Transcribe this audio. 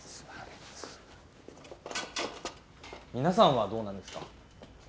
皆さんはどうなんですか？